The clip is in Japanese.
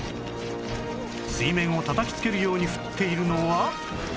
水面をたたきつけるように降っているのは